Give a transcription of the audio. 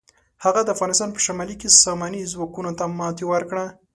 هغه د افغانستان په شمالي کې ساماني ځواکونو ته ماتې ورکړه.